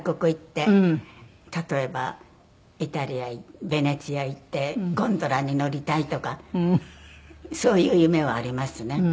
例えばイタリアベネチア行ってゴンドラに乗りたいとかそういう夢はありますね。